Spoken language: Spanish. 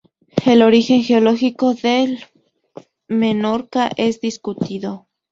El origen geológico de Menorca es discutido.